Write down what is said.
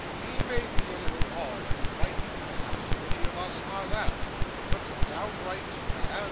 He may be a little odd and flighty, perhaps, many of us are that; but downright mad!